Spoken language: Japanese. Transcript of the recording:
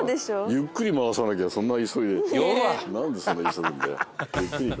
ゆっくり回さなきゃそんな急いでゆっくりい